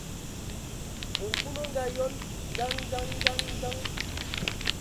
Nkul o ngaayon: Kəŋ, kəŋ, kəŋ, kəŋ, kəŋ!.